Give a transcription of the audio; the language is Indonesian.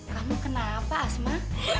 kamu kenapa asma